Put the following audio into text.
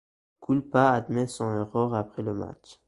Kulpa admet son erreur après le match.